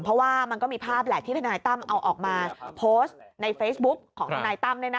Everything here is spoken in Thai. เพราะว่ามันก็มีภาพแหละที่ทนายตั้มเอาออกมาโพสต์ในเฟซบุ๊กของทนายตั้ม